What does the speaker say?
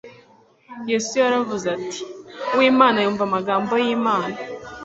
Yesu yaravuze ati :« Uw'Imana yumva amagambo y'Imana.